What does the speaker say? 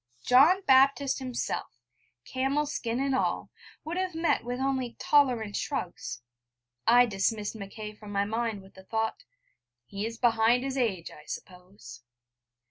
John Baptist himself, camel skin and all, would, have met with only tolerant shrugs. I dismissed Mackay from my mind with the thought: 'He is behind his age, I suppose.'